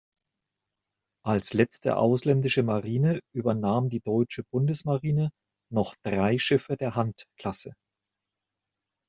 Als letzte ausländische Marine übernahm die deutsche Bundesmarine noch drei Schiffe der Hunt-Klasse.